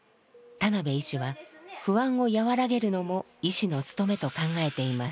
田邉医師は不安を和らげるのも医師の務めと考えています。